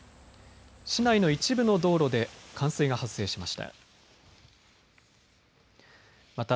市内の一部の道路で冠水が発生しました。